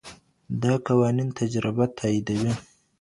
دا قوانين تجربه تاييدوي.